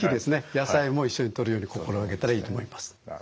野菜も一緒にとるように心掛けたらいいと思います。